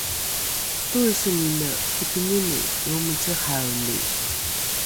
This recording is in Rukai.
toesengine kipingini lromecehaeni